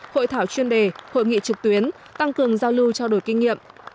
hội thảo chuyên đề hội nghị trực tuyến tăng cường giao lưu trao đổi kinh nghiệm